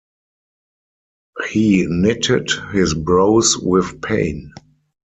He knitted his brows with pain.